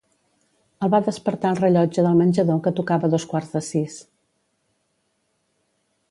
El va despertar el rellotge del menjador que tocava dos quarts de sis.